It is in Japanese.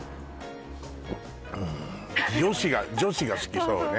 うん女子が好きそうね